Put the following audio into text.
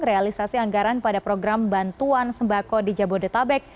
realisasi anggaran pada program bantuan sembako di jabodetabek